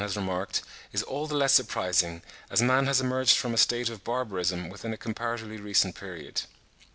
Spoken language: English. has remarked, is all the less surprising, as man has emerged from a state of barbarism within a comparatively recent period.